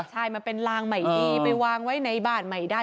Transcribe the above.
ใช่มันเป็นลางใหม่ดีไปวางไว้ในบ้านใหม่ได้